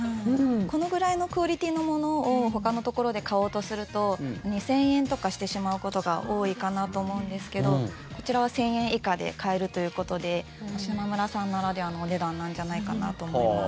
このぐらいのクオリティーのものをほかのところで買おうとすると２０００円とかしてしまうことが多いかなと思うんですけどこちらは１０００円以下で買えるということでしまむらさんならではのお値段なんじゃないかなと思います。